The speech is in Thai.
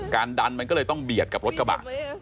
ดันมันก็เลยต้องเบียดกับรถกระบะ